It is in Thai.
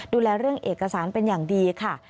ดูแลเรื่องเอกสารเป็นอย่างดีค่ะ